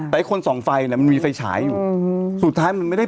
แต่ไอ้คนส่องไฟเนี่ยมันมีไฟฉายอยู่อืมสุดท้ายมันไม่ได้